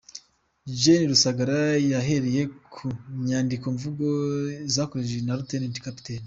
Gen. Rusagara yahereye ku nyandikomvugo zakoreshejwe Rtd Capt.